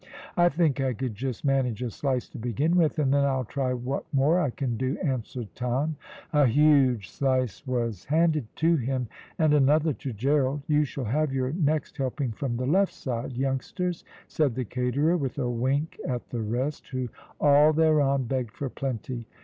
"I think I could just manage a slice to begin with, and then I'll try what more I can do," answered Tom. A huge slice was handed to him, and another to Gerald. "You shall have your next helping from the left side, youngsters," said the caterer, with a wink at the rest, who all thereon begged for plenty.